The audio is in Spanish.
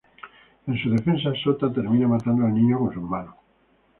En su defensa, Sota termina matando al niño con sus manos.